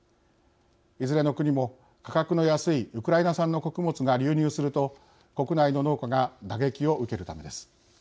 いずれの国も、価格の安いウクライナ産の穀物が流入すると国内の農家が打撃を受けるためです。